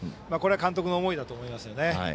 これは監督の思いだと思いますね。